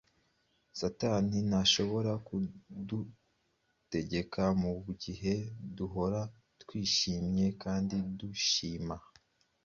Satani ntashobora kudutegeka mu gihe duhora twishimye kandi dushima,